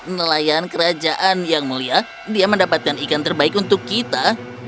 nelayan kerajaan yang mulia dia mendapatkan ikan terbaik untuk kita